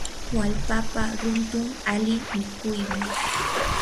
wallpapa runtun ali mikuymi.